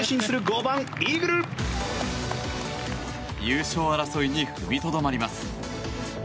優勝争いに踏みとどまります。